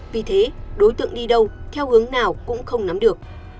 vì thế đối tượng đi đâu theo hướng nào cũng không nắm được